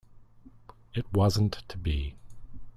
It wasn't to be.